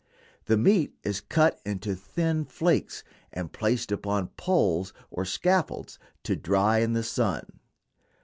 The meat is cut into thin flakes and placed upon poles or scaffolds to dry in the sun.